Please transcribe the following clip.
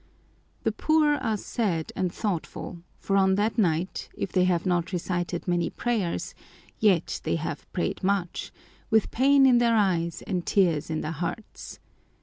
The poor are sad and thoughtful, for on that night, if they have not recited many prayers, yet they have prayed much with pain in their eyes and tears in their hearts.